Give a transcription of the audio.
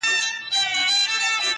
زه کرمه سره ګلاب ازغي هم ور سره شنه سي,